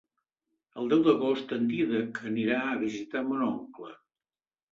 El deu d'agost en Dídac anirà a visitar mon oncle.